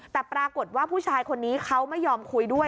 แต่ปรากฏว่าผู้ชายคนนี้เขาไม่ยอมคุยด้วย